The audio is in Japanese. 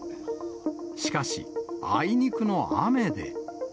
しかし、あいにくの雨で。